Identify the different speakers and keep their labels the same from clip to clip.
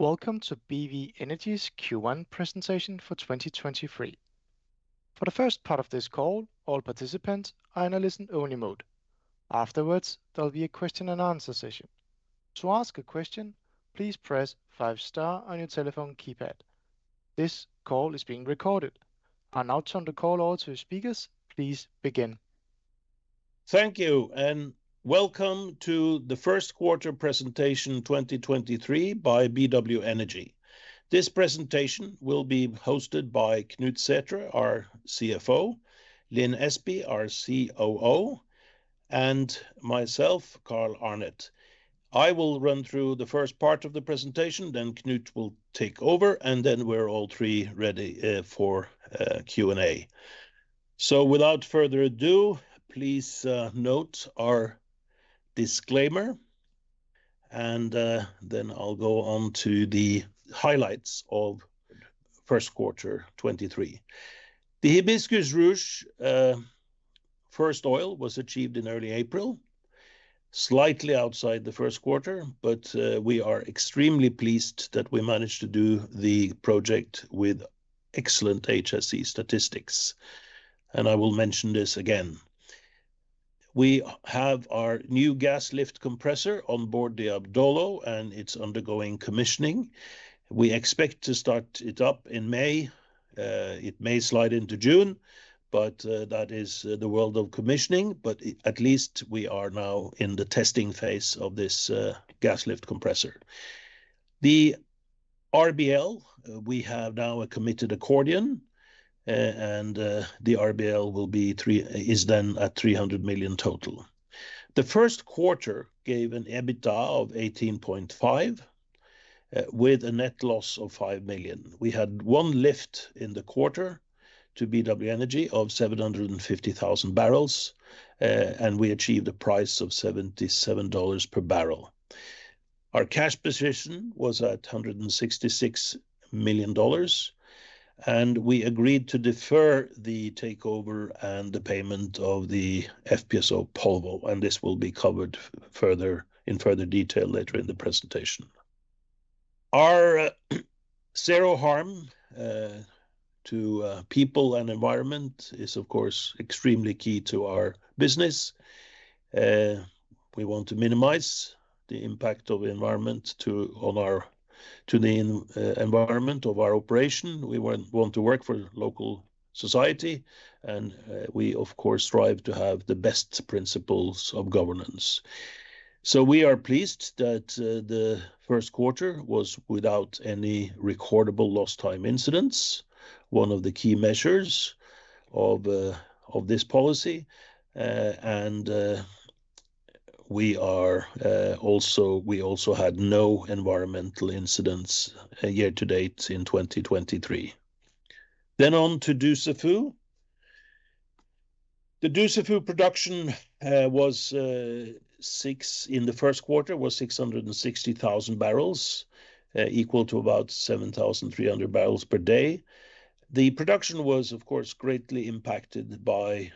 Speaker 1: Welcome to BW Energy's Q1 Presentation for 2023. For the first part of this call, all participants are in a listen-only mode. Afterwards, there'll be a question and answer session. To ask a question, please press five star on your telephone keypad. This call is being recorded. I now turn the call over to the speakers. Please begin.
Speaker 2: Thank you. Welcome to the first quarter presentation 2023 by BW Energy. This presentation will be hosted by Knut Sæthre, our CFO, Lin Espey, our COO, and myself, Carl Arnet. I will run through the first part of the presentation. Knut will take over. We're all three ready for Q&A. Without further ado, please note our disclaimer. I'll go on to the highlights of first quarter 23. The Hibiscus Ruche first oil was achieved in early April, slightly outside the first quarter. We are extremely pleased that we managed to do the project with excellent HSE statistics. I will mention this again. We have our new gas lift compressor on board the BW Adolo. It's undergoing commissioning. We expect to start it up in May. It may slide into June, that is the world of commissioning. At least we are now in the testing phase of this gas lift compressor. The RBL, we have now a committed accordion, the RBL is then at $300 million total. The first quarter gave an EBITDA of 18.5, with a net loss of $5 million. We had one lift in the quarter to BW Energy of 750,000 barrels, and we achieved a price of $77 per barrel. Our cash position was at $166 million, and we agreed to defer the takeover and the payment of the FPSO Polvo, and this will be covered further, in further detail later in the presentation. Our zero harm to people and environment is, of course, extremely key to our business. We want to minimize the impact of environment on our environment of our operation. We want to work for local society, and we of course strive to have the best principles of governance. We are pleased that the first quarter was without any recordable lost time incidents, one of the key measures of this policy. And we also had no environmental incidents year to date in 2023. On to Dussafu. The Dussafu production was in the first quarter 660,000 barrels, equal to about 7,300 barrels per day. The production was, of course, greatly impacted by,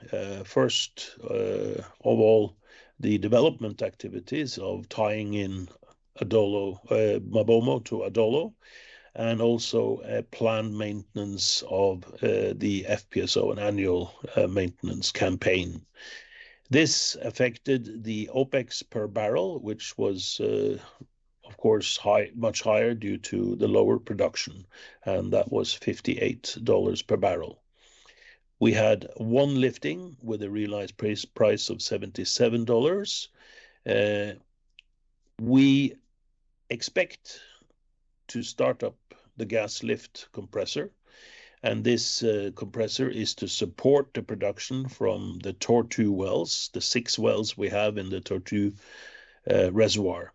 Speaker 2: first, of all the development activities of tying in Adolo, MaBoMo to Adolo, and also a planned maintenance of the FPSO and annual maintenance campaign. This affected the OpEx per barrel, which was, of course, high, much higher due to the lower production, and that was $58 per barrel. We had one lifting with a realized price of $77. We expect to start up the gas lift compressor, and this compressor is to support the production from the Tortue wells, the six wells we have in the Tortue reservoir.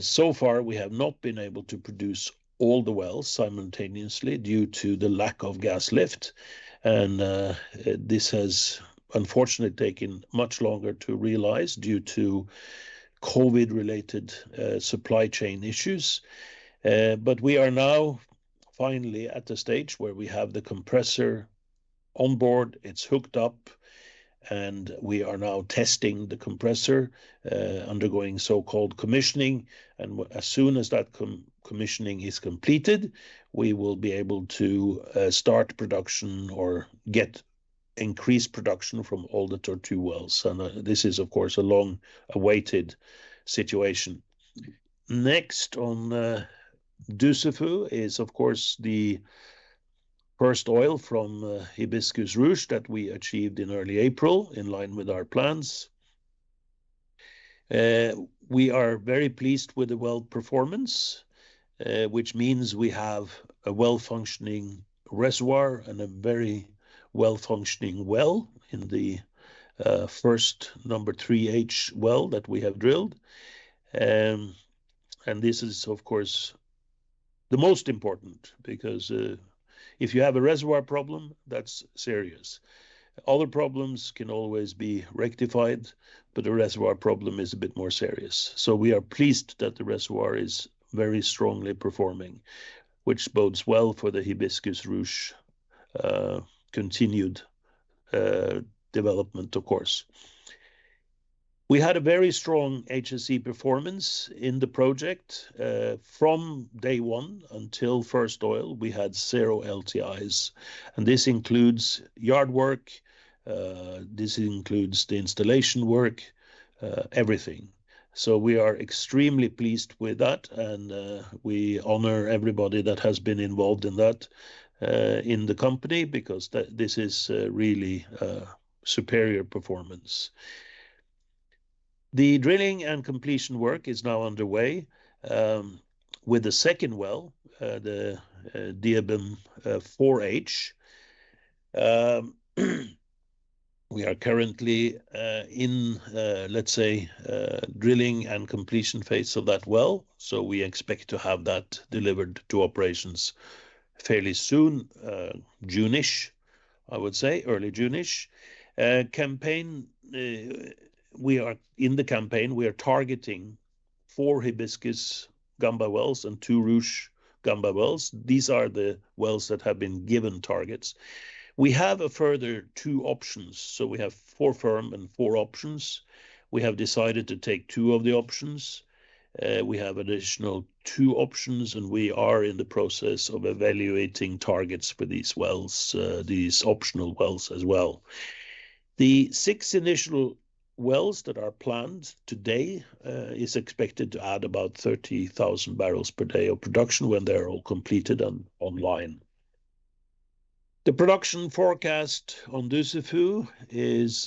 Speaker 2: So far we have not been able to produce all the wells simultaneously due to the lack of gas lift and this has unfortunately taken much longer to realize due to COVID-related, supply chain issues. We are now finally at the stage where we have the compressor on board, it's hooked up, and we are now testing the compressor, undergoing so-called commissioning. As soon as that commissioning is completed, we will be able to start production or get increased production from all the Tortue wells. This is of course a long-awaited situation. Next on Dussafu is of course the first oil from Hibiscus Ruche that we achieved in early April in line with our plans. We are very pleased with the well performance, which means we have a well-functioning reservoir and a very well-functioning well in the first number 3H well that we have drilled. This is of course the most important because if you have a reservoir problem, that's serious. Other problems can always be rectified, but a reservoir problem is a bit more serious. We are pleased that the reservoir is very strongly performing, which bodes well for the Hibiscus Ruche continued development, of course. We had a very strong HSE performance in the project from day one until first oil, we had 0 LTIs, and this includes yard work, this includes the installation work, everything. We are extremely pleased with that, and we honor everybody that has been involved in that in the company because this is really superior performance. The drilling and completion work is now underway with the second well, the DHIBM-4H. We are currently in, let's say, drilling and completion phase of that well, so we expect to have that delivered to operations fairly soon, June-ish, I would say, early June-ish. Campaign, we are in the campaign, we are targeting 4 Hibiscus Gamba wells and 2 Ruche Gamba wells. These are the wells that have been given targets. We have a further two options, so we have four firm and four options. We have decided to take two of the options. We have additional two options, and we are in the process of evaluating targets for these wells, these optional wells as well. The six initial wells that are planned today, is expected to add about 30,000 barrels per day of production when they're all completed and online. The production forecast on Dussafu is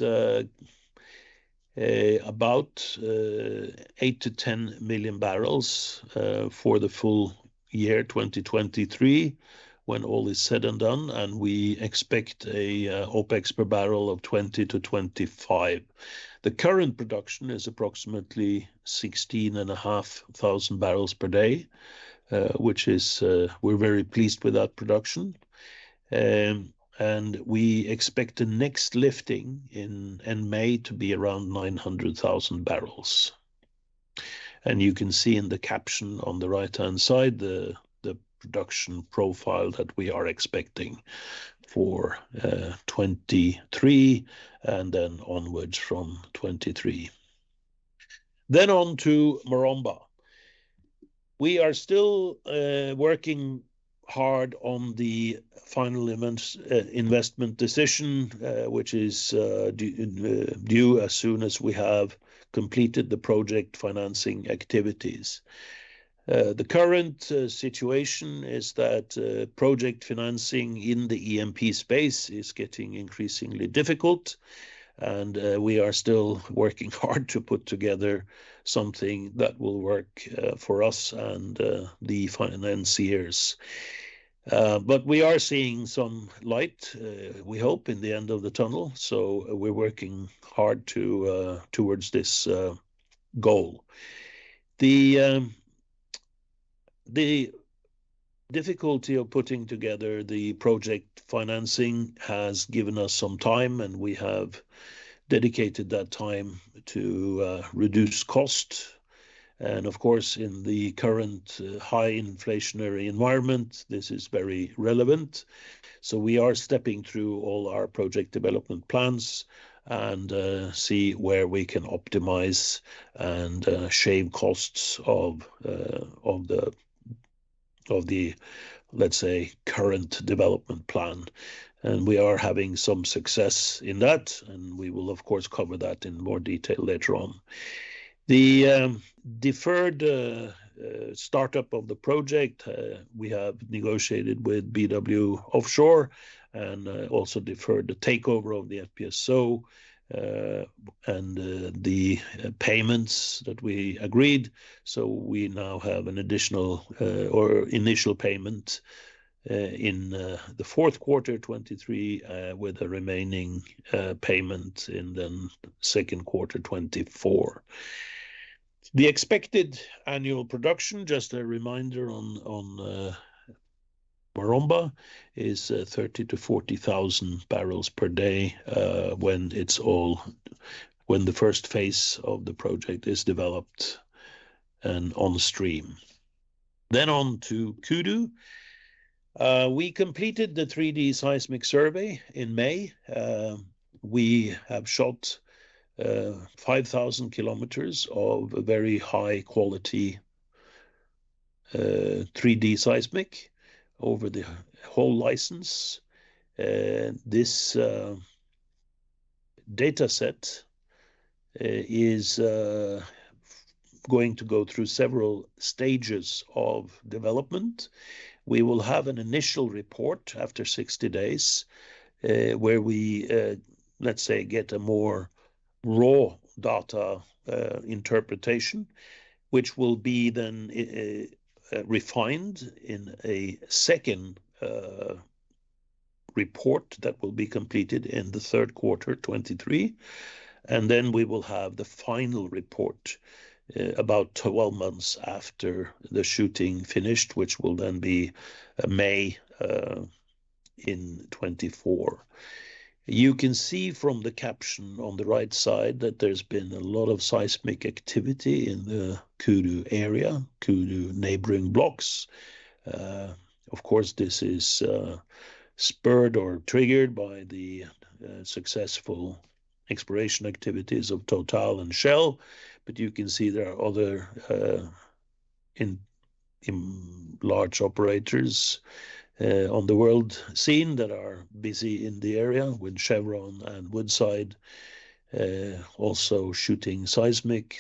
Speaker 2: 8-10 million barrels for the full year 2023 when all is said and done, and we expect a OpEx per barrel of $20-$25. The current production is approximately 16,500 barrels per day, we're very pleased with that production. We expect the next lifting in May to be around 900,000 barrels. You can see in the caption on the right-hand side the production profile that we are expecting for 2023 and then onwards from 2023. On to Maromba. We are still working hard on the final investment decision, which is due as soon as we have completed the project financing activities. The current situation is that project financing in the E&P space is getting increasingly difficult, and we are still working hard to put together something that will work for us and the financiers. We are seeing some light, we hope, in the end of the tunnel, so we're working hard towards this goal. The difficulty of putting together the project financing has given us some time, and we have dedicated that time to reduce cost. Of course, in the current high inflationary environment, this is very relevant. We are stepping through all our project development plans and see where we can optimize and shave costs of the, let's say, current development plan. We are having some success in that, and we will of course cover that in more detail later on. The deferred startup of the project, we have negotiated with BW Offshore and also deferred the takeover of the FPSO and the payments that we agreed, so we now have an additional or initial payment in the fourth quarter 2023, with the remaining payment in the second quarter 2024. The expected annual production, just a reminder on Maromba, is 30,000-40,000 barrels per day when the first phase of the project is developed and on stream. On to Kudu. We completed the 3D seismic survey in May. We have shot 5,000 kilometers of very high quality 3D seismic over the whole license. This dataset is going to go through several stages of development. We will have an initial report after 60 days, where we, let's say, get a more raw data interpretation, which will be then refined in a second report that will be completed in the third quarter 2023. We will have the final report about 12 months after the shooting finished, which will then be May 2024. You can see from the caption on the right side that there's been a lot of seismic activity in the Kudu area, Kudu neighboring blocks. Of course, this is spurred or triggered by the successful exploration activities of TotalEnergies and Shell. You can see there are other large operators on the world scene that are busy in the area with Chevron and Woodside also shooting seismic.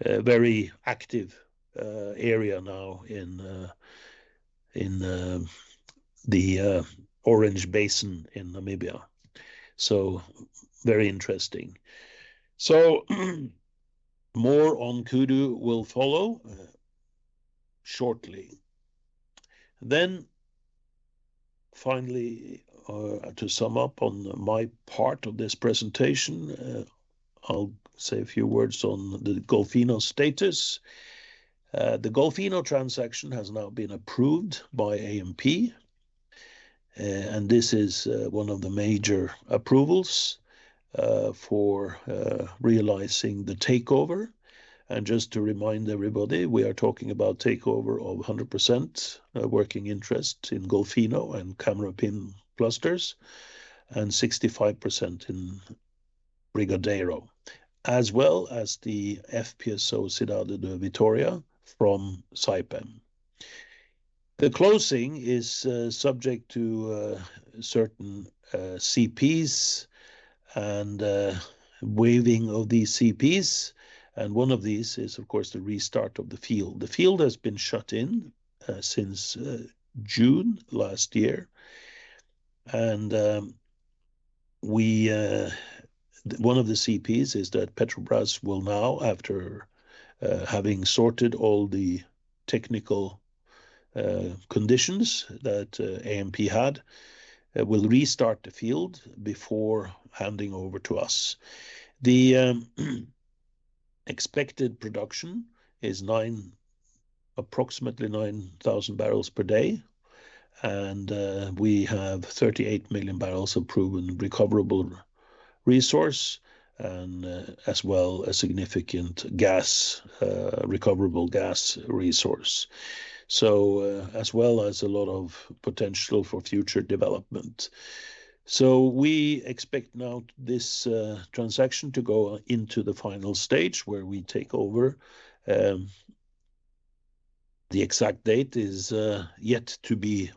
Speaker 2: A very active area now in the Orange Basin in Namibia. Very interesting. More on Kudu will follow shortly. Finally, to sum up on my part of this presentation, I'll say a few words on the Golfinho status. The Golfinho transaction has now been approved by ANP, and this is one of the major approvals for realizing the takeover. Just to remind everybody, we are talking about takeover of 100% working interest in Golfinho and Camarupim clusters and 65% in Brigadeiro, as well as the FPSO Cidade de Vitória from Saipem. The closing is subject to certain CPs and waiving of these CPs, and one of these is, of course, the restart of the field. The field has been shut in since June last year, and One of the CPs is that Petrobras will now, after having sorted all the technical conditions that ANP had, will restart the field before handing over to us. The expected production is approximately 9,000 barrels per day, and we have 38 million barrels of proven recoverable resource and as well a significant gas recoverable gas resource. As well as a lot of potential for future development. We expect now this transaction to go into the final stage where we take over. The exact date is yet to be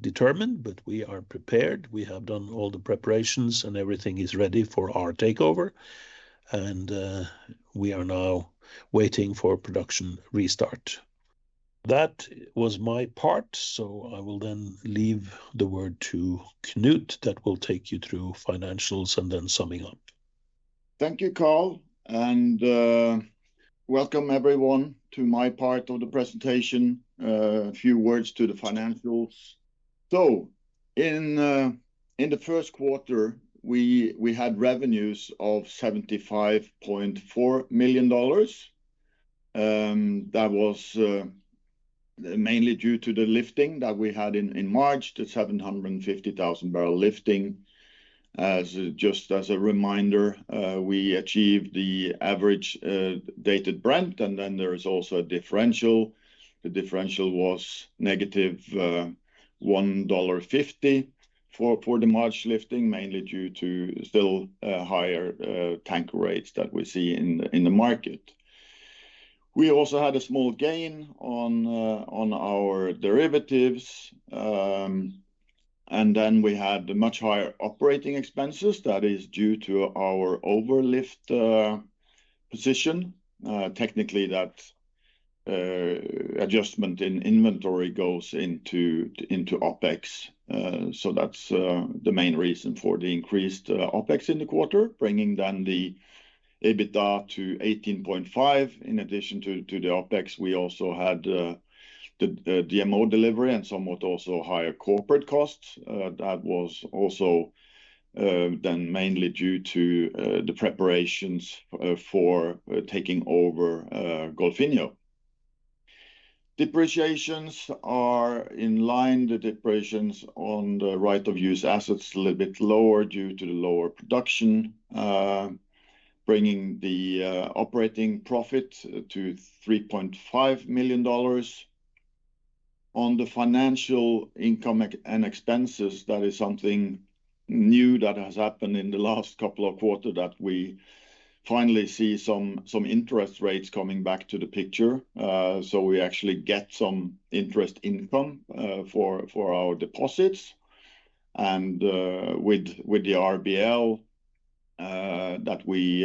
Speaker 2: determined. We are prepared. We have done all the preparations. Everything is ready for our takeover. We are now waiting for production restart. That was my part. I will then leave the word to Knut that will take you through financials and then summing up.
Speaker 3: Thank you, Carl, and welcome everyone to my part of the presentation, a few words to the financials. In the first quarter, we had revenues of $75.4 million. That was mainly due to the lifting that we had in March, the 750,000 barrel lifting. Just as a reminder, we achieved the average dated Brent, and then there is also a differential. The differential was negative, $1.50 for the March lifting, mainly due to still higher tanker rates that we see in the market. We also had a small gain on our derivatives, and then we had much higher operating expenses. That is due to our overlift position. Technically, that adjustment in inventory goes into OpEx, the main reason for the increased OpEx in the quarter, bringing the EBITDA to $18.5. In addition to the OpEx, we also had the DMO delivery and somewhat also higher corporate costs. That was also mainly due to the preparations for taking over Golfinho. Depreciations are in line. The depreciations on the right of use assets a little bit lower due to the lower production, bringing the operating profit to $3.5 million. On the financial income and expenses, that is something new that has happened in the last couple of quarter that we finally see some interest rates coming back to the picture. We actually get some interest income for our deposits. With the RBL that we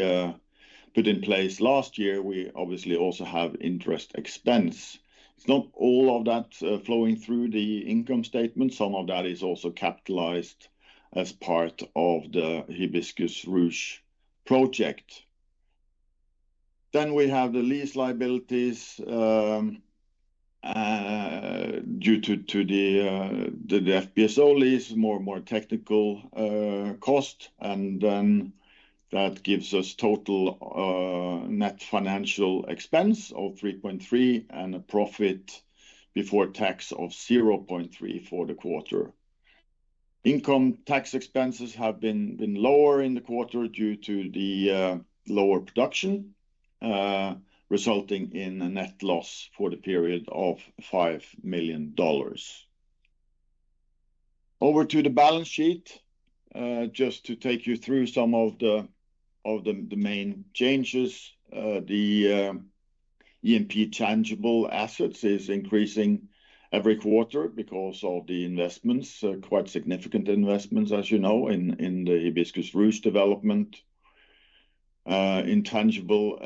Speaker 3: put in place last year, we obviously also have interest expense. It's not all of that flowing through the income statement. Some of that is also capitalized as part of the Hibiscus Ruche project. We have the lease liabilities due to the FPSO lease, more and more technical cost. That gives us total net financial expense of $3.3 and a profit before tax of $0.3 for the quarter. Income tax expenses have been lower in the quarter due to the lower production, resulting in a net loss for the period of $5 million. Over to the balance sheet. Just to take you through some of the main changes. The E&P tangible assets is increasing every quarter because of the investments, quite significant investments, as you know, in the Hibiscus Ruche development. Intangible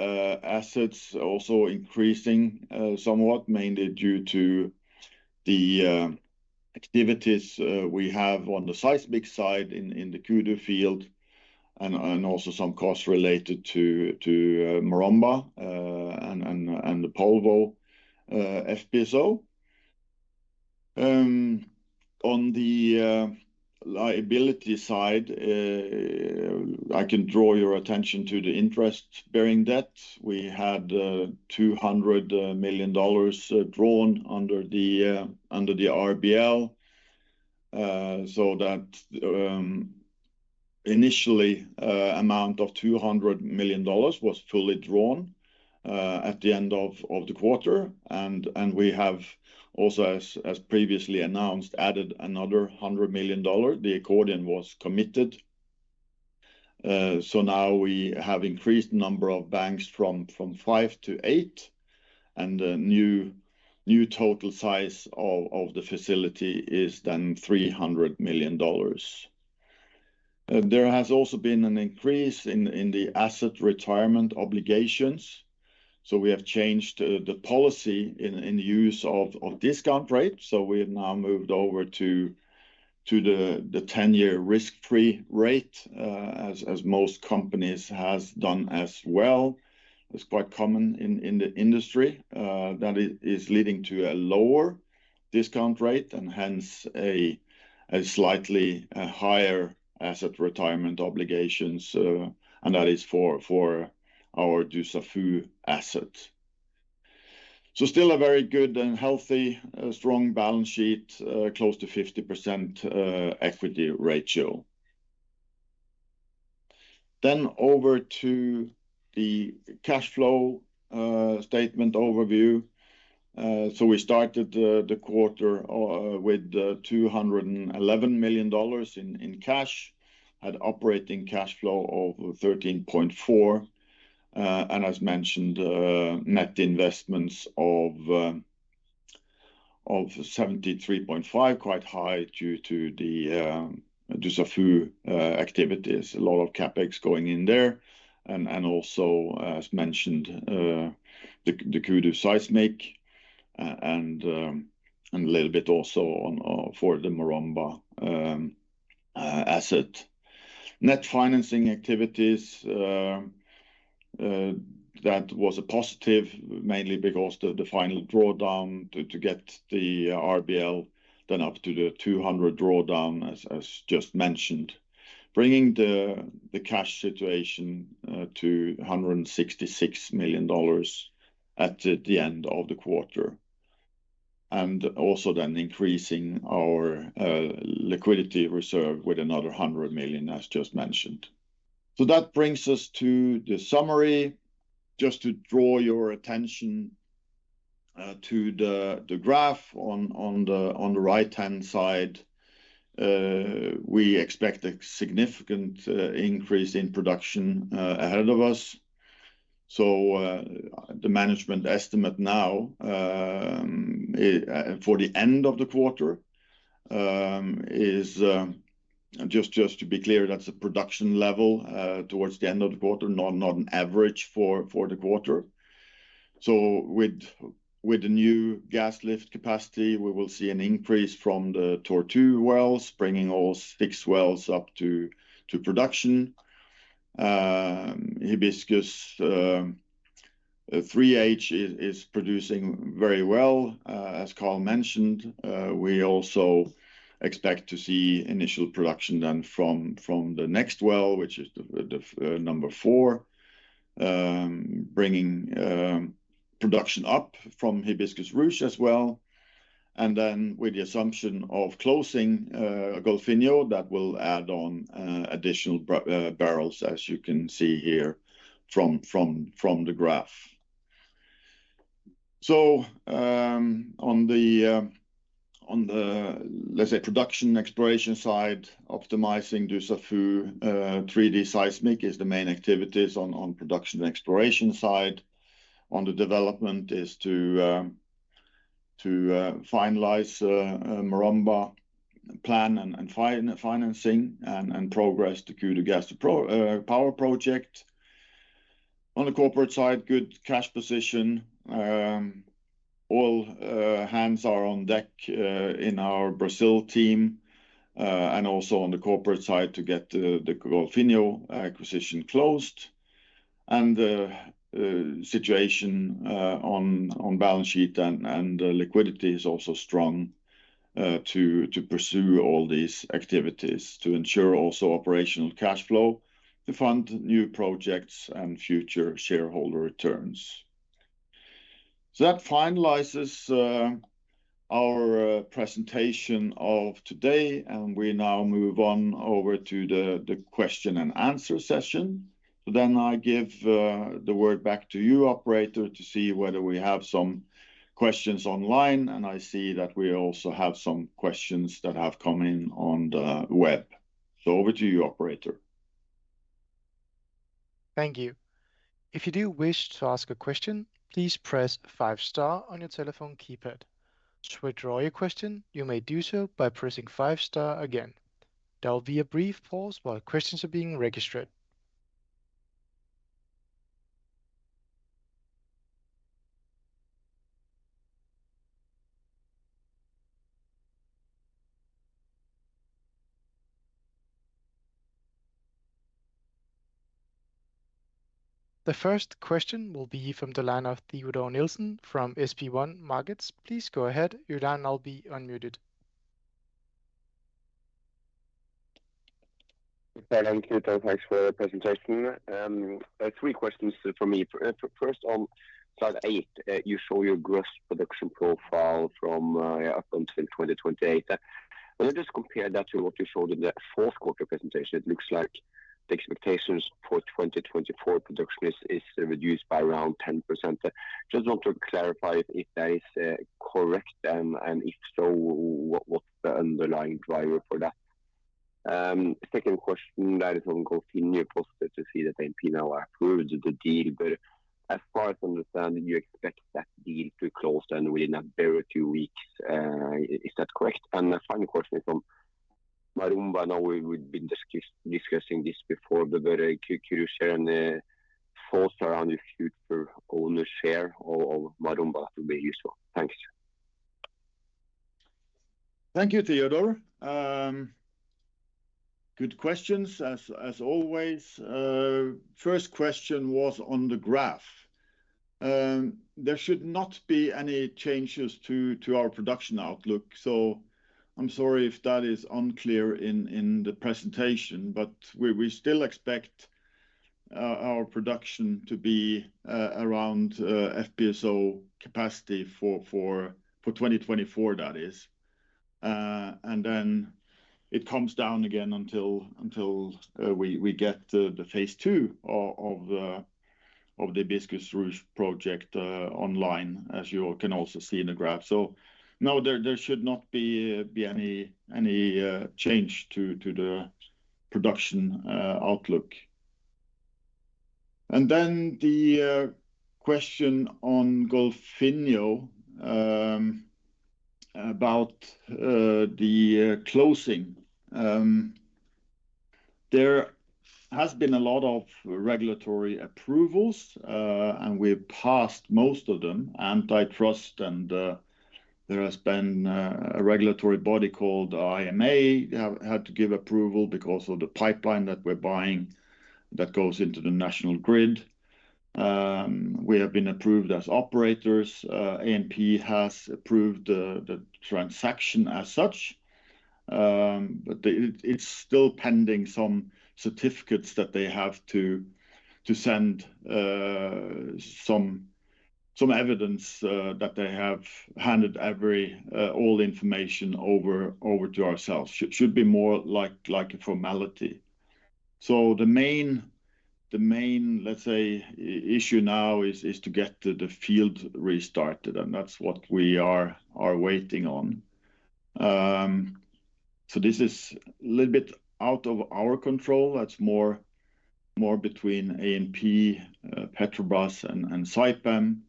Speaker 3: assets also increasing somewhat, mainly due to the activities we have on the seismic side in the Kudu field and also some costs related to Maromba and the FPSO Polvo. On the liability side, I can draw your attention to the interest-bearing debt. We had $200 million drawn under the RBL. Initially, amount of $200 million was fully drawn at the end of the quarter. We have also, as previously announced, added another $100 million. The accordion was committed. Now we have increased the number of banks from five to eight, and the new total size of the facility is then $300 million. There has also been an increase in the asset retirement obligations. We have changed the policy in the use of discount rate. We have now moved over to the 10-year risk-free rate, as most companies has done as well. It's quite common in the industry that is leading to a lower discount rate and hence a slightly higher asset retirement obligations. That is for our Dussafu asset. Still a very good and healthy strong balance sheet, close to 50% equity ratio. Over to the cash flow statement overview. We started the quarter with $211 million in cash. Had operating cash flow of $13.4 million. As mentioned, net investments of $73.5 million, quite high due to the Dussafu activities. A lot of CapEx going in there. Also, as mentioned, the Kudu seismic, and a little bit also on for the Maromba asset. Net financing activities that was a positive, mainly because the final drawdown to get the RBL then up to the $200 million drawdown as just mentioned. Bringing the cash situation to $166 million at the end of the quarter, increasing our liquidity reserve with another $100 million, as just mentioned. That brings us to the summary. Just to draw your attention to the graph on the right-hand side. We expect a significant increase in production ahead of us. The management estimate now for the end of the quarter is just to be clear, that's a production level towards the end of the quarter, not an average for the quarter. With the new gas lift capacity, we will see an increase from the Tortue wells, bringing all six wells up to production. Hibiscus 3H is producing very well, as Carl mentioned. We also expect to see initial production then from the next well, which is the number four, bringing production up from Hibiscus Ruche as well. With the assumption of closing Golfinho, that will add on additional barrels, as you can see here from, from the graph. On the, let's say, production exploration side, optimizing Dussafu, 3D seismic is the main activities on production exploration side. On the development is to finalize Maromba plan and financing and progress the Kudu gas power project. On the corporate side, good cash position. All hands are on deck in our Brazil team and also on the corporate side to get the Golfinho acquisition closed. The situation on balance sheet and liquidity is also strong to pursue all these activities to ensure also operational cash flow to fund new projects and future shareholder returns. That finalizes our presentation of today, and we now move on over to the question and answer session. I give the word back to you operator to see whether we have some questions online, and I see that we also have some questions that have come in on the web. Over to you, operator.
Speaker 1: Thank you. If you do wish to ask a question, please press five star on your telephone keypad. To withdraw your question, you may do so by pressing five star again. There will be a brief pause while questions are being registered. The first question will be from the line of Teodor Sveen-Nilsen from SpareBank 1 Markets. Please go ahead. Your line will be unmuted.
Speaker 4: Thank you. Thanks for the presentation. Three questions for me. First on Slide 8, you show your gross production profile from up until 2028. When I just compare that to what you showed in the fourth quarter presentation, it looks like the expectations for 2024 production is reduced by around 10%. Just want to clarify if that is correct, and if so, what's the underlying driver for that? Second question, that is on Golfinho positive to see that ANP now approved the deal, but as far as I understand, you expect that deal to close then within a very two weeks. Is that correct? The final question is on Maromba. I know we've been discussing this before, but could you share any thoughts around your future owner share of Maromba to be useful. Thanks.
Speaker 3: Thank you, Teodor. Good questions as always. First question was on the graph. There should not be any changes to our production outlook. I'm sorry if that is unclear in the presentation, but we still expect our production to be around FPSO capacity for 2024, that is. It comes down again until we get the phase II of the Hibiscus Ruche project online, as you all can also see in the graph. No, there should not be any change to the production outlook. The question on Golfinho about the closing. There has been a lot of regulatory approvals, and we passed most of them, antitrust, and there has been a regulatory body called IBAMA have had to give approval because of the pipeline that we're buying that goes into the national grid. We have been approved as operators. ANP has approved the transaction as such. It's still pending some certificates that they have to send some evidence that they have handed all information over to ourselves. Should be more like a formality. The main, let's say, issue now is to get the field restarted, and that's what we are waiting on. This is a little bit out of our control. That's more between ANP, Petrobras and Saipem.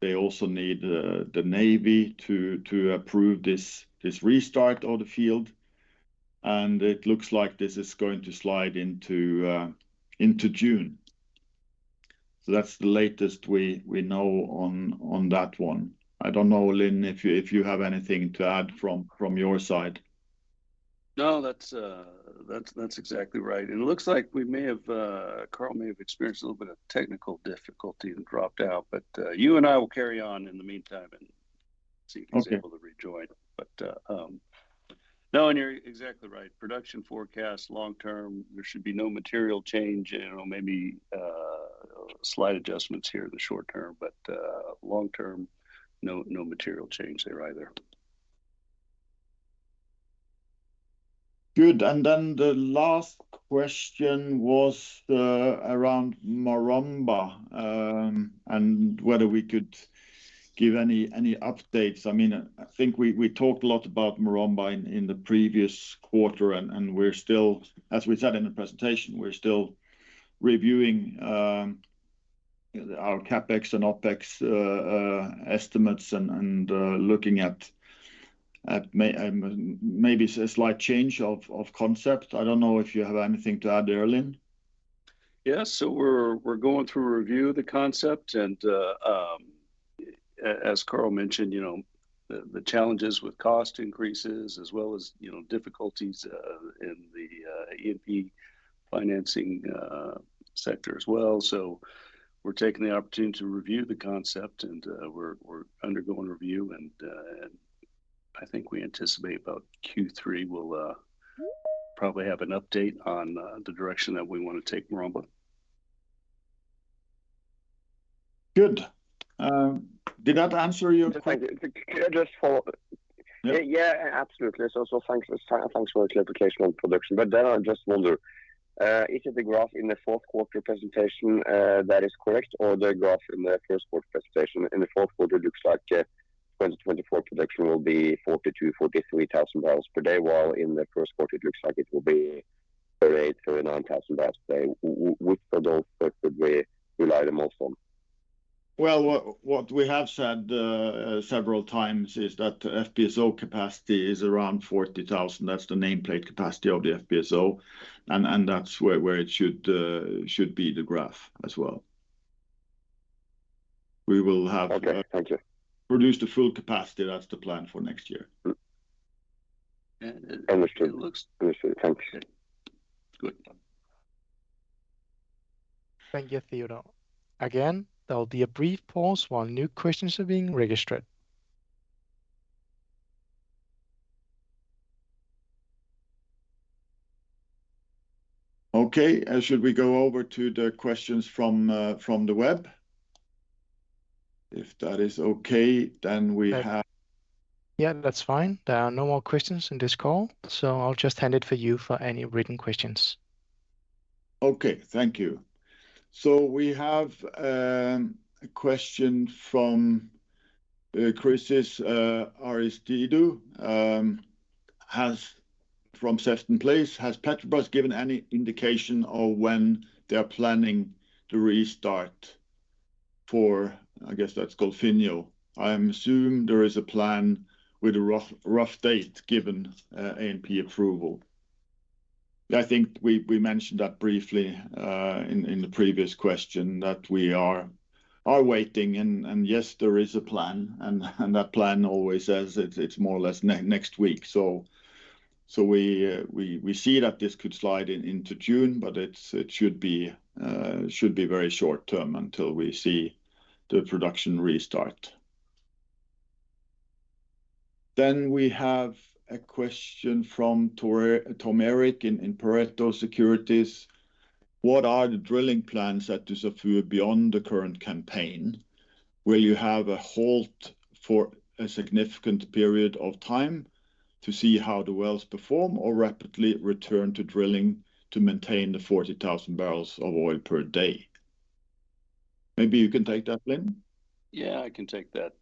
Speaker 3: They also need, the Navy to approve this restart of the field. It looks like this is going to slide into June. That's the latest we know on that one. I don't know, Lin, if you have anything to add from your side.
Speaker 5: No, that's exactly right. It looks like we may have Carl may have experienced a little bit of technical difficulty and dropped out. You and I will carry on in the meantime and see if he's able to rejoin. No, you're exactly right. Production forecast long term, there should be no material change. You know, maybe slight adjustments here in the short term, but long term, no material change there either.
Speaker 3: Good. The last question was around Maromba, and whether we could give any updates. I mean, I think we talked a lot about Maromba in the previous quarter, and we're still, as we said in the presentation, we're still reviewing, our CapEx and OpEx estimates and looking at maybe a slight change of concept. I don't know if you have anything to add there, Lin.
Speaker 5: Yes. We're going through a review of the concept. As Carl mentioned, you know, the challenges with cost increases as well as, you know, difficulties in the E&P financing sector as well. We're taking the opportunity to review the concept, and we're undergoing review. I think we anticipate about Q3, we'll probably have an update on the direction that we wanna take Maromba.
Speaker 3: Good. Did that answer your question.
Speaker 4: Just follow up.
Speaker 3: Yeah.
Speaker 4: Yeah, absolutely. Thanks for the clarification on production. I just wonder, is it the graph in the fourth quarter presentation that is correct or the graph in the first quarter presentation? In the fourth quarter, it looks like 2024 production will be 42,000-43,000 barrels per day, while in the first quarter it looks like it will be 38,000-39,000 barrels per day. Which of those should we rely the most on?
Speaker 3: Well, what we have said, several times is that FPSO capacity is around 40,000. That's the nameplate capacity of the FPSO and that's where it should be the graph as well. We will have—
Speaker 4: Okay. Thank you.
Speaker 3: Produced the full capacity. That's the plan for next year.
Speaker 4: Understood. Understood. Thank you, sir.
Speaker 3: Good.
Speaker 1: Thank you, Teodor. Again, there will be a brief pause while new questions are being registered.
Speaker 3: Okay. Should we go over to the questions from the web? If that is okay,
Speaker 1: Yeah, that's fine. There are no more questions in this call, so I'll just hand it for you for any written questions.
Speaker 3: Okay. Thank you. We have a question from Chris Aristidou from Sefton Place, "Has Petrobras given any indication of when they are planning to restart for—" I guess that's Golfinho. "I assume there is a plan with a rough date given ANP approval." I think we mentioned that briefly in the previous question that we are waiting and yes, there is a plan and that plan always says it's more or less next week. We see that this could slide into June, but it should be very short term until we see the production restart. We have a question from Tom Erik in Pareto Securities. "What are the drilling plans at Dussafu beyond the current campaign? Will you have a halt for a significant period of time to see how the wells perform or rapidly return to drilling to maintain the 40,000 barrels of oil per day?" Maybe you can take that, Lin.
Speaker 5: Yeah, I can take that.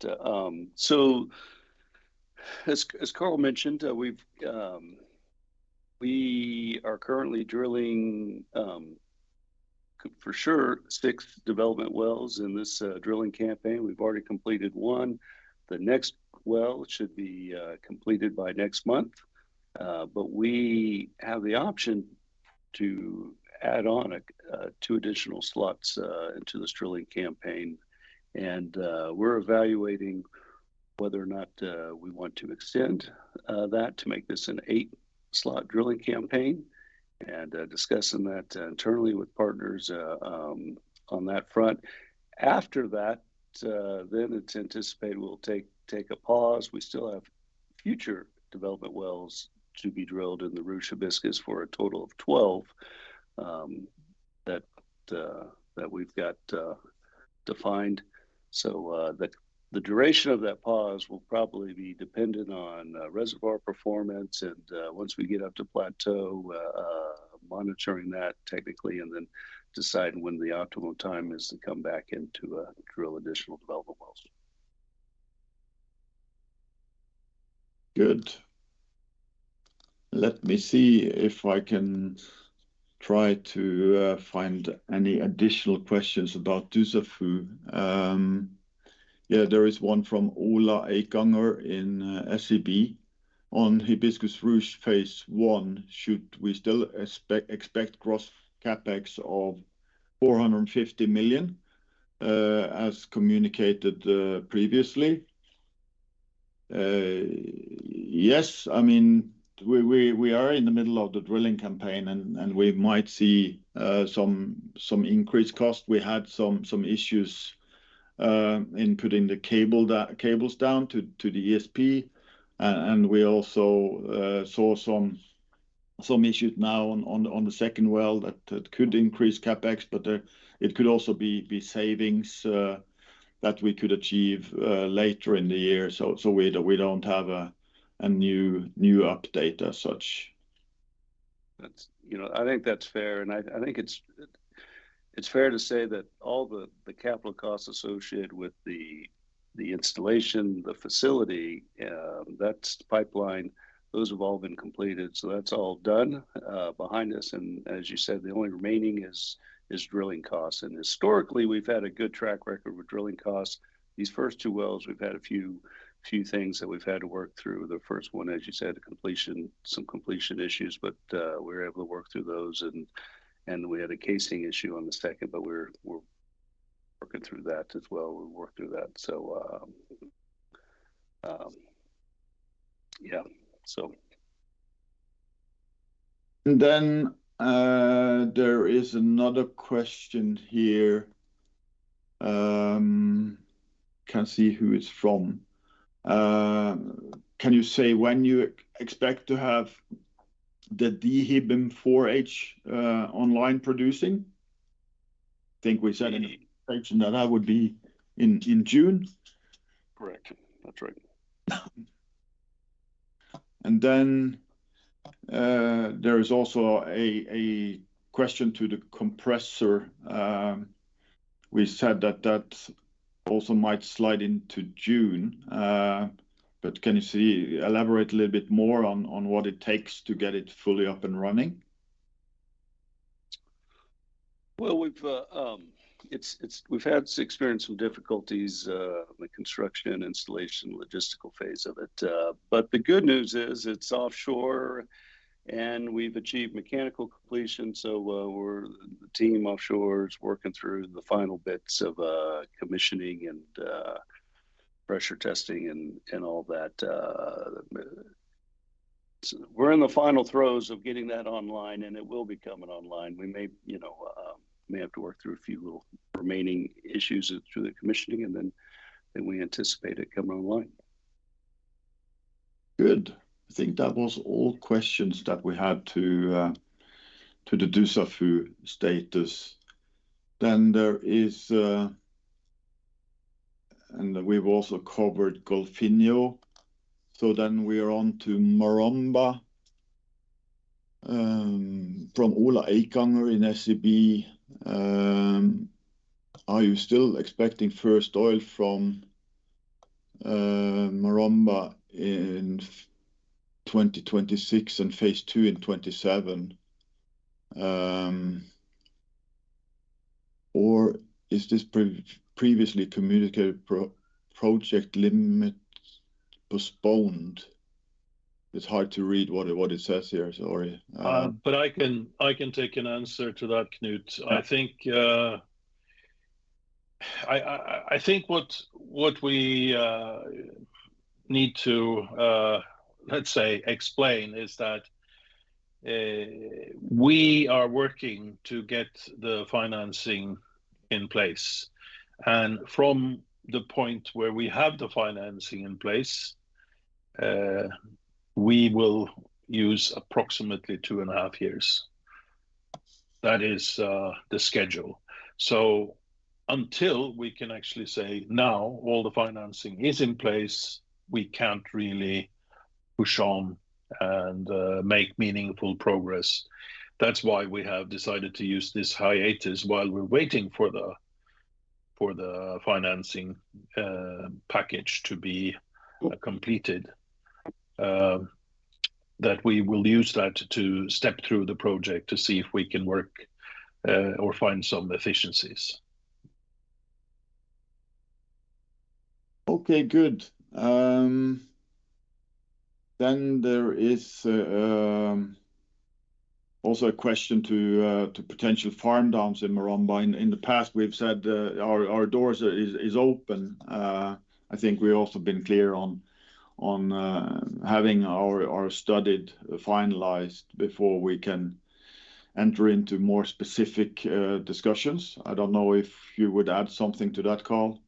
Speaker 5: As Carl mentioned, we've, we are currently drilling for sure six development wells in this drilling campaign. We've already completed one. The next well should be completed by next month. We have the option to add on two additional slots into this drilling campaign. We're evaluating whether or not we want to extend that to make this an 8-slot drilling campaign and discussing that internally with partners on that front. After that, it's anticipated we'll take a pause. We still have future development wells to be drilled in the Ruche Hibiscus for a total of 12 that we've got defined. The duration of that pause will probably be dependent on reservoir performance and once we get up to plateau, monitoring that technically and then deciding when the optimal time is to come back in to drill additional development wells.
Speaker 3: Good. Let me see if I can try to find any additional questions about Dussafu. Yeah, there is one from Ola Ekanger in SEB. "On Hibiscus Ruche phase I, should we still expect gross CapEx of $450 million as communicated previously?" Yes. I mean, we are in the middle of the drilling campaign, and we might see some increased cost. We had some issues in putting the cables down to the ESP, and we also saw some issues now on the second well that could increase CapEx, but it could also be savings that we could achieve later in the year. We don't have a new update as such.
Speaker 5: You know, I think that's fair. I think it's fair to say that all the capital costs associated with the installation, the facility, that's the pipeline, those have all been completed. That's all done behind us, and as you said, the only remaining is drilling costs. Historically, we've had a good track record with drilling costs. These first two wells, we've had a few things that we've had to work through. The first one, as you said, the completion, some completion issues, but we were able to work through those. We had a casing issue on the second, but we're working through that as well. We'll work through that. Yeah.
Speaker 3: There is another question here. Can see who it's from. Can you say when you expect to have the DHIBM-4H online producing? I think that would be in June.
Speaker 5: Correct. That's right.
Speaker 3: There is also a question to the compressor. We said that that also might slide into June. Can you elaborate a little bit more on what it takes to get it fully up and running?
Speaker 5: Well, we've had to experience some difficulties, the construction, installation, logistical phase of it. The good news is it's offshore, and we've achieved mechanical completion. The team offshore is working through the final bits of commissioning and pressure testing and all that. We're in the final throes of getting that online, and it will be coming online. We may, you know, may have to work through a few little remaining issues through the commissioning, and then we anticipate it coming online.
Speaker 3: Good. I think that was all questions that we had to the Dussafu status. We've also covered Golfinho. We are on to Maromba, from Ola Ekanger in SEB. Are you still expecting first oil from Maromba in 2026 and phase II in 2027, or is this previously communicated project limit postponed? It's hard to read what it says here, sorry.
Speaker 5: I can take an answer to that, Knut.
Speaker 3: Yeah.
Speaker 5: I think what we need to let's say explain is that we are working to get the financing in place. From the point where we have the financing in place, we will use approximately two and a half years. That is the schedule. Until we can actually say, "Now all the financing is in place," we can't really push on and make meaningful progress. That's why we have decided to use this hiatus while we're waiting for the financing package to be completed, that we will use that to step through the project to see if we can work or find some efficiencies.
Speaker 3: Good. There is also a question to potential farm downs in Maromba. In the past, we've said our door is open. I think we've also been clear on having our study finalized before we can enter into more specific discussions. I don't know if you would add something to that, Carl.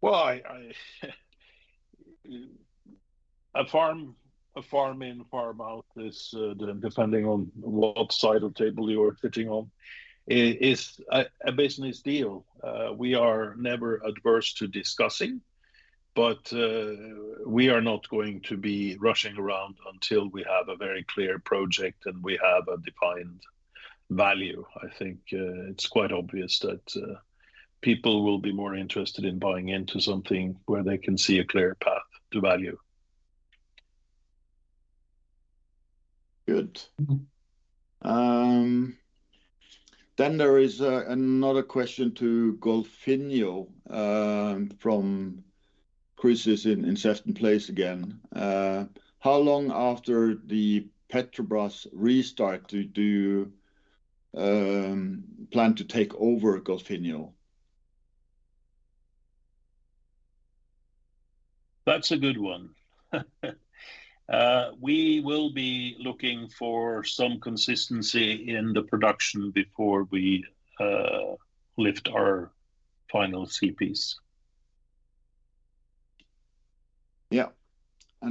Speaker 2: Well, I—a farm in, farm out is depending on what side of table you're sitting on, is a business deal. We are never adverse to discussing, but we are not going to be rushing around until we have a very clear project and we have a defined value. I think, it's quite obvious that people will be more interested in buying into something where they can see a clear path to value.
Speaker 3: Good. There is another question to Golfinho from Chris in Sefton Place again. How long after the Petrobras restart do you plan to take over Golfinho?
Speaker 2: That's a good one. We will be looking for some consistency in the production before we lift our final CPs.
Speaker 3: Yeah.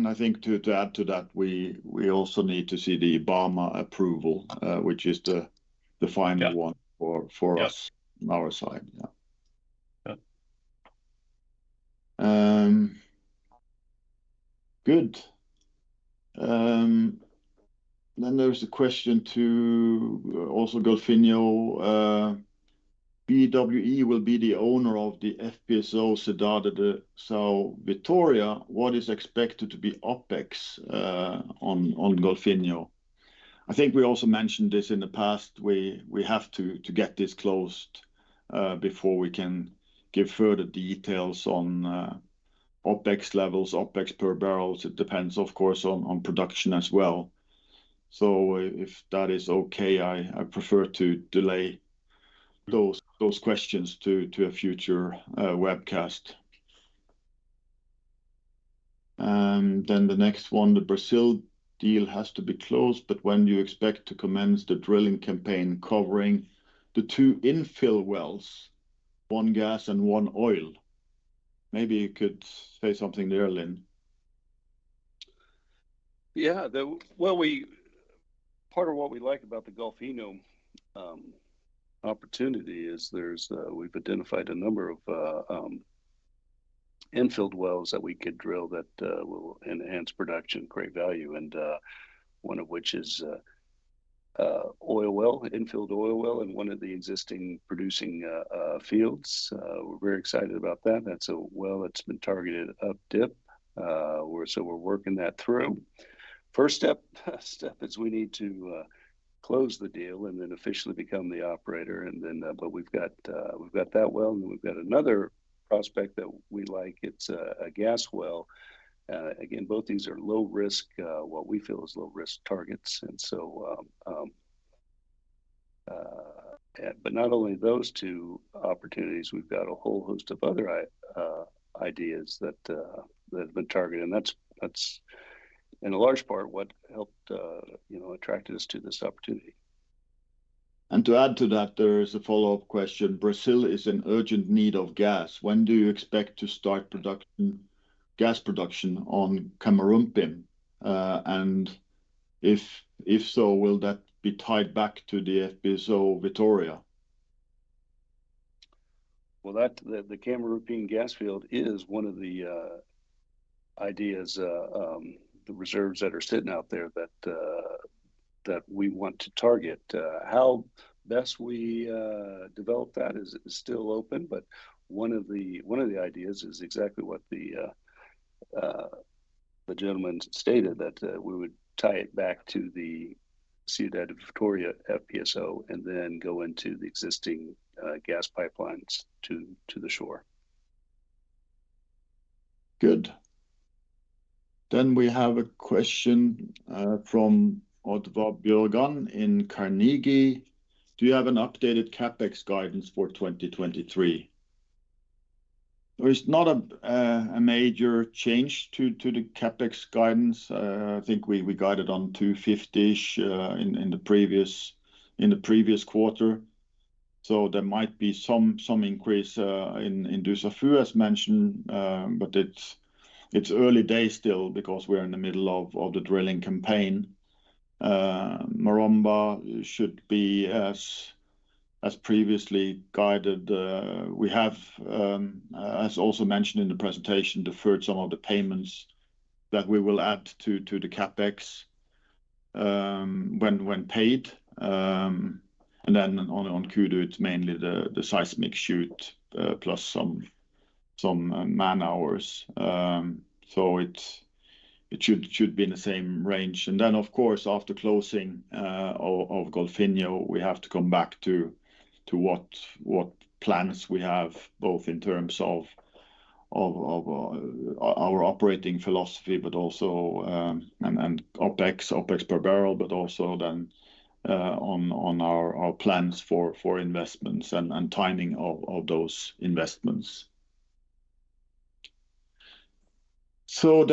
Speaker 3: I think to add to that, we also need to see the IBAMA approval, which is the final one for us.
Speaker 2: Yes.
Speaker 3: On our side. Yeah.
Speaker 2: Yeah.
Speaker 3: Good. Then there's a question to also Golfinho. BWE will be the owner of the FPSO Cidade de Vitória, what is expected to be OpEx on Golfinho? I think we also mentioned this in the past. We have to get this closed before we can give further details on OpEx levels, OpEx per barrels. It depends, of course, on production as well. If that is okay, I prefer to delay those questions to a future webcast. Then the next one, the Brazil deal has to be closed, but when do you expect to commence the drilling campaign covering the two infill wells, one gas and one oil? Maybe you could say something there, Lin.
Speaker 5: Yeah. Well, part of what we like about the Golfinho opportunity is there's we've identified a number of infill wells that we could drill that will enhance production, create value, and one of which is oil well, infilled oil well in one of the existing producing fields. We're very excited about that. That's a well that's been targeted up-dip. We're working that through. First step is we need to close the deal and then officially become the operator. We've got that well, and we've got another prospect that we like. It's a gas well. Again, both these are low risk, what we feel is low risk targets Not only those two opportunities, we've got a whole host of other ideas that have been targeted, that's in a large part what helped, you know, attracted us to this opportunity.
Speaker 3: To add to that, there is a follow-up question. Brazil is in urgent need of gas. When do you expect to start production, gas production on Camarupim? If so, will that be tied back to the FPSO Vitória?
Speaker 5: Well, that, the Camarupim gas field is one of the ideas, the reserves that are sitting out there that we want to target. How best we develop that is still open, but one of the ideas is exactly what the gentleman stated, that we would tie it back to the Cidade de Vitória FPSO and then go into the existing gas pipelines to the shore.
Speaker 3: Good. We have a question from Oddvar Bjørgan in Carnegie. Do you have an updated CapEx guidance for 2023? There is not a major change to the CapEx guidance. I think we guided on $250-ish in the previous quarter. There might be some increase in Dussafu, as mentioned. It's early days still because we're in the middle of the drilling campaign. Maromba should be as previously guided. We have, as also mentioned in the presentation, deferred some of the payments that we will add to the CapEx when paid. On Kudu it's mainly the seismic shoot plus some man-hours. It should be in the same range. Of course, after closing of Golfinho, we have to come back to what plans we have both in terms of our operating philosophy, but also and OpEx per barrel, but also then on our plans for investments and timing of those investments.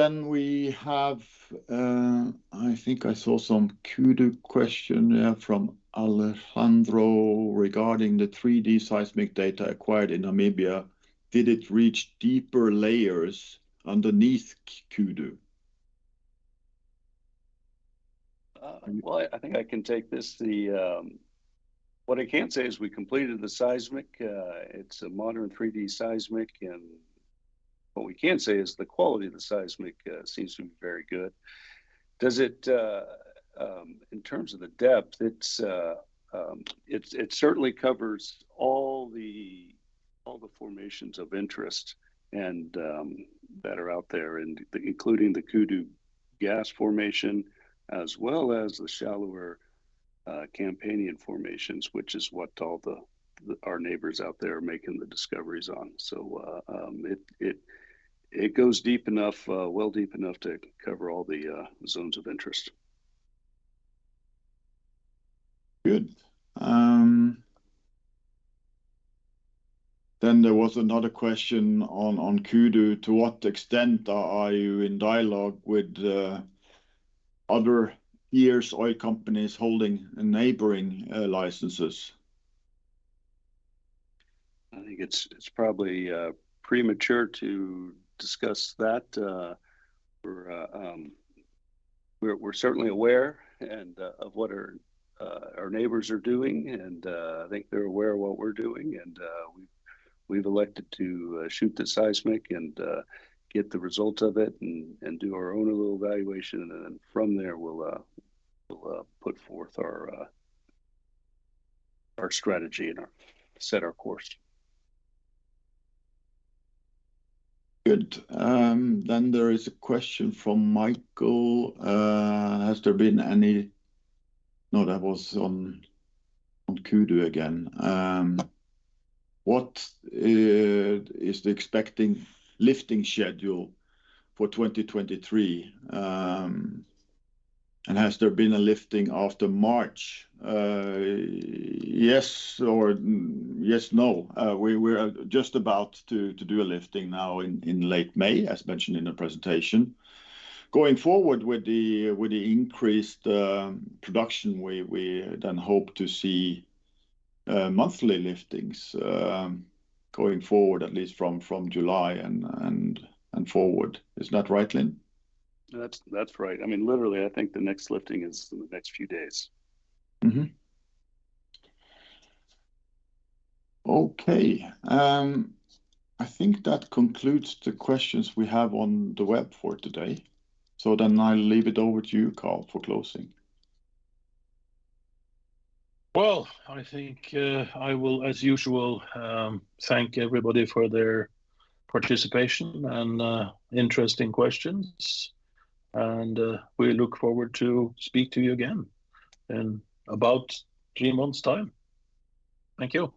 Speaker 3: We have, I think I saw some Kudu question, yeah, from Alejandro regarding the 3D seismic data acquired in Namibia. Did it reach deeper layers underneath Kudu?
Speaker 5: Well, I think I can take this. What I can say is we completed the seismic. It's a modern 3D seismic, and what we can say is the quality of the seismic seems to be very good. Does it, in terms of the depth, it certainly covers all the formations of interest and that are out there including the Kudu gas formation, as well as the shallower Campanian formations, which is what all the, our neighbors out there are making the discoveries on. It goes deep enough, well deep enough to cover all the zones of interest.
Speaker 3: Good. there was another question on Kudu. To what extent are you in dialogue with, other years oil companies holding neighboring licenses?
Speaker 5: I think it's probably premature to discuss that. We're certainly aware and of what our neighbors are doing, and I think they're aware of what we're doing. We've elected to shoot the seismic and get the results of it and do our own evaluation. Then from there we'll put forth our strategy and set our course.
Speaker 3: Good. There is a question from Michael. No, that was on Kudu again. What is the expecting lifting schedule for 2023? Has there been a lifting after March? Yes or yes/no. We're just about to do a lifting now in late May, as mentioned in the presentation. Going forward with the increased production, we then hope to see monthly liftings going forward at least from July and forward. Is that right, Lin?
Speaker 5: That's right. I mean, literally, I think the next lifting is in the next few days.
Speaker 3: Okay. I think that concludes the questions we have on the web for today. I'll leave it over to you, Carl, for closing.
Speaker 5: Well, I think, I will, as usual, thank everybody for their participation and interesting questions. We look forward to speak to you again in about three months' time. Thank you.